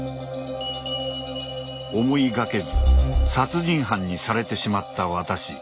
思いがけず殺人犯にされてしまった私。